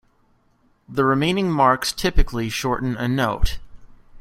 The remaining marks typically shorten a note.